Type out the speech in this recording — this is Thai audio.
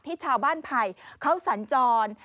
ที่ชาวบ้านไผ่เขาสัญจร